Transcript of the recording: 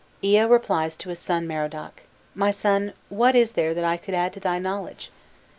Ea replies to his son Merodach: "My son, what is there that I could add to thy knowledge?